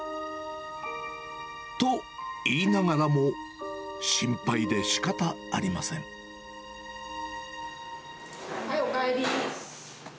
と言いながらも、心配でしかおかえり。